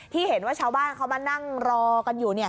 ที่เห็นว่าชาวบ้านเขามานั่งรอกันอยู่